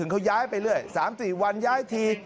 เขาย้ายไปเรื่อย๓๔วันย้ายที